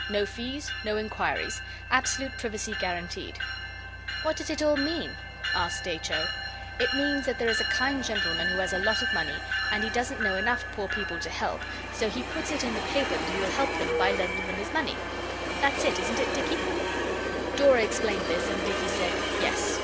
No fees. No inquiries. Absolute privacy guaranteed. 'What does it all mean?' asked H. O. 'It means that there is a kind gentleman who has a lot of money, and he doesn't know enough poor people to help, so he puts it in the paper that he will help them, by lending them his money that's it, isn't it, Dicky?' Dora explained this and Dicky said, 'Yes.